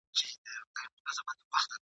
د بد زوی له لاسه ښه پلار ښکنځل کېږي !.